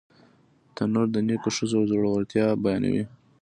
تنور د نیکو ښځو زړورتیا بیانوي